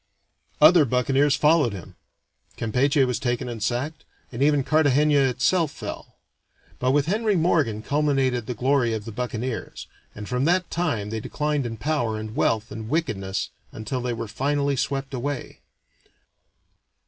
Other buccaneers followed him. Campeche was taken and sacked, and even Cartagena itself fell; but with Henry Morgan culminated the glory of the buccaneers, and from that time they declined in power and wealth and wickedness until they were finally swept away.